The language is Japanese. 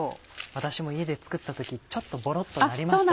私も家で作った時ちょっとボロっとなりました。